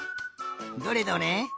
どれどれ？